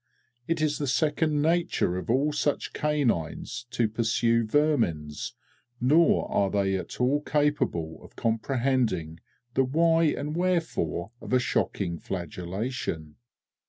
It is the second nature of all such canines to pursue vermins, nor are they at all capable of comprehending the Why and Wherefore of a shocking flagellation.